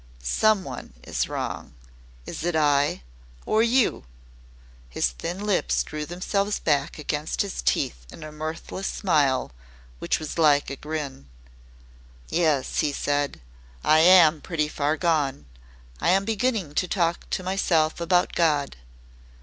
"Someone is wrong. Is it I or You?" His thin lips drew themselves back against his teeth in a mirthless smile which was like a grin. "Yes," he said. "I am pretty far gone. I am beginning to talk to myself about God.